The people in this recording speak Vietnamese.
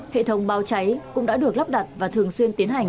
hệ thống báo cháy cũng đã được lắp đặt và thường xuyên tiến hành